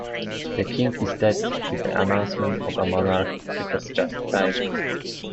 "The King is dead" is the announcement of a monarch who has just died.